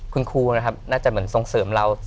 คุณครูนะครับน่าจะเหมือนทรงเสริมเรา